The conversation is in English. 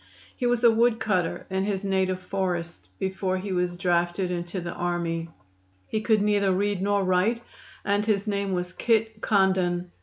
He was a woodcutter in his native forests before he was drafted into the army; he could neither read nor write, and his name was Kit Condon.